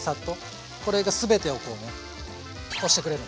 これが全てをこうねこうしてくれる。